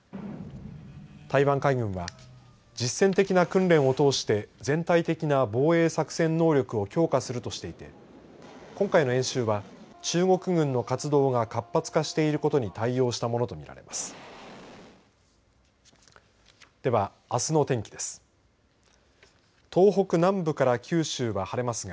台湾海軍は実践的な訓練を通して全体的な防衛作戦能力を強化するとしていて今回の演習は中国軍の活動が活発化していることに対応したものと見られます。